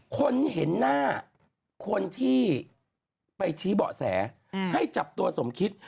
คนเห็นหน้าคนที่ไปชี้เบาะแสให้จับตัวสมคิด